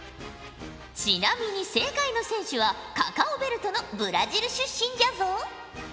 ちなみに正解の選手はカカオベルトのブラジル出身じゃぞ。